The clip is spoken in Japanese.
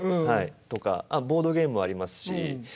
はいとかボードゲームもありますし。